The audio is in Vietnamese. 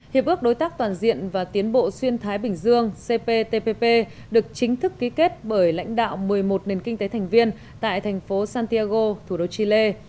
hiệp ước đối tác toàn diện và tiến bộ xuyên thái bình dương cptpp được chính thức ký kết bởi lãnh đạo một mươi một nền kinh tế thành viên tại thành phố santiago thủ đô chile